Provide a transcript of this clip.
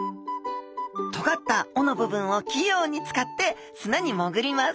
とがった尾のぶぶんをきようにつかって砂にもぐります